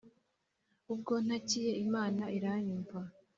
ubwo ntakiye imana iranyumva